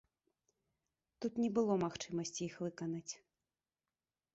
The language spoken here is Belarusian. Тут не было магчымасці іх выканаць.